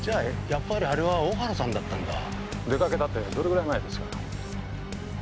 やっぱりあれは大原さんだったんだ出かけたってどれぐらい前ですか？